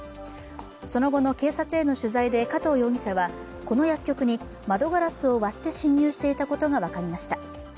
その後の警察への取材で加藤容疑者は、この薬局に窓ガラスを割って侵入していたことが分かりました。